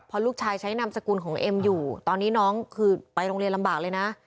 เพราะลูกชายใช้นามสกุลของเอ็มอยู่ตอนนี้น้องคือไปโรงเรียนลำบากเลยนะ